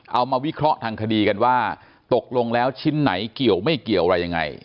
วิเคราะห์ทางคดีกันว่าตกลงแล้วชิ้นไหนเกี่ยวไม่เกี่ยวอะไรยังไง